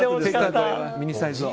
ミニサイズを。